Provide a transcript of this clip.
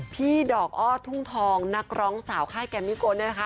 พี่ดอกอ้อทุ่งทองนักร้องสาวค่ายแกมมี่โกเนี่ยนะคะ